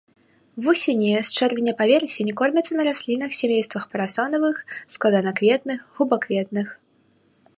Вусені з чэрвеня па верасень кормяцца на раслінах сямействаў парасонавых, складанакветных, губакветных.